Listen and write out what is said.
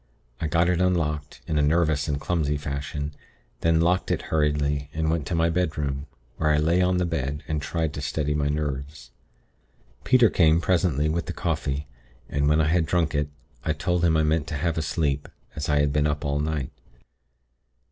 I got it unlocked, in a nervous and clumsy fashion, then locked it hurriedly, and went to my bedroom, where I lay on the bed, and tried to steady my nerves. Peter came, presently, with the coffee, and when I had drunk it, I told him I meant to have a sleep, as I had been up all night.